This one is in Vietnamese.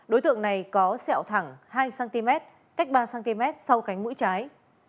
đối tượng này có sẹo thẳng hai cm cách ba cm sau cánh mũi trái